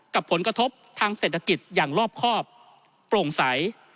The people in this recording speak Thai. กับผลกระทบทางเศรษฐกิจอย่างรอบครอบโปร่งใส